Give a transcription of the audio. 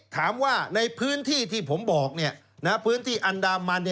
ถามว่าในพื้นที่ที่ผมบอกพื้นที่อันดามัน